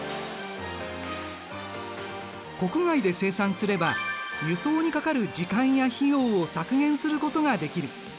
国外で生産すれば輸送にかかる時間や費用を削減することができる。